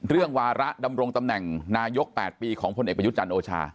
วาระดำรงตำแหน่งนายก๘ปีของพลเอกประยุทธ์จันทร์โอชา